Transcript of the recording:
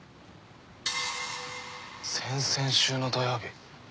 先々週の土曜日